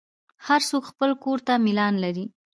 هر څوک خپل کور ته میلان لري.